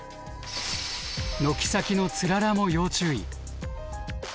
軒先のつららも要注意。